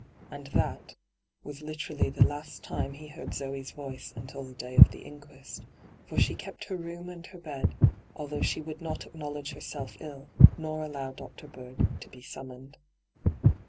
* And that was literally the last time he heard Zee's voice until the day of the inquest, for she kept her room and her bed, although she would not acknowledge herself iU, nor allow Dr. Bird to be summoned.